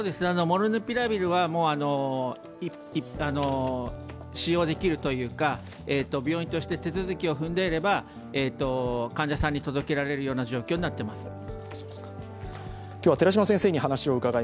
モルヌピラビルは使用できるというか、病院として手続きを踏んでいれば患者さんに届けられる状況になっています。